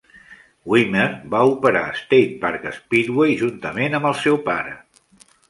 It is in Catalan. Wimmer va operar State Park Speedway juntament amb el seu pare.